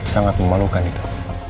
sangat memalukan itu